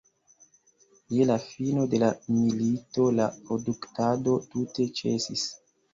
Je la fino de la milito la produktado tute ĉesis.